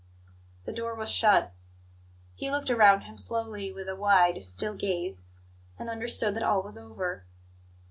The door was shut. He looked around him slowly, with a wide, still gaze, and understood that all was over.